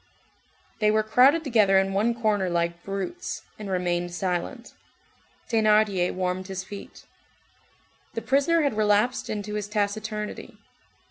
They were crowded together in one corner like brutes, and remained silent. Thénardier warmed his feet. The prisoner had relapsed into his taciturnity.